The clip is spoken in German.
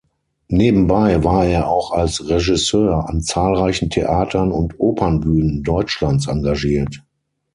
Nebenbei war er auch als Regisseur an zahlreichen Theatern und Opernbühnen Deutschlands engagiert.